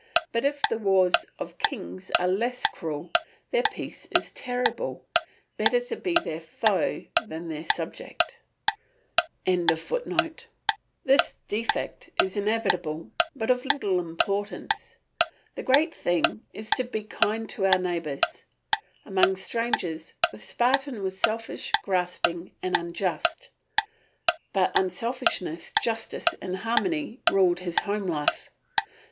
But if the wars of kings are less cruel, their peace is terrible; better be their foe than their subject.] This defect is inevitable, but of little importance. The great thing is to be kind to our neighbours. Among strangers the Spartan was selfish, grasping, and unjust, but unselfishness, justice, and harmony ruled his home life.